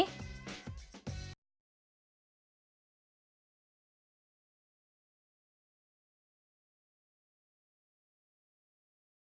terima kasih pak abed